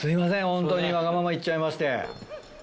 ホントにわがまま言っちゃいまして。